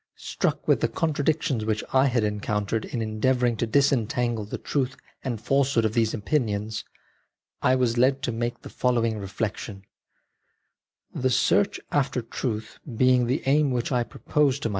Struck with the contradictions which I en countered in endeavouring to disentangle the truth and falsehood of these opinions, I was led to make the following reflection :" The search after truth being the aim which I propose to •.